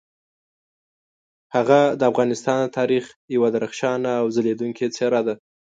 هغه د افغانستان د تاریخ یوه درخشانه او ځلیدونکي څیره ده.